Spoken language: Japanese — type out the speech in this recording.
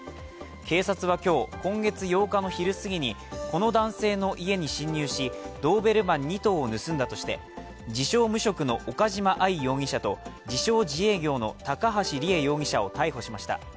警察は今日、今月８日の昼過ぎに、この男性の家に侵入しドーベルマン２頭を盗んだとして自称・無職の岡島愛容疑者と自称・自営業の高橋里衣容疑者を逮捕しました。